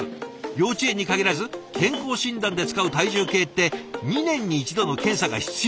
幼稚園に限らず健康診断で使う体重計って２年に１度の検査が必要なんですって。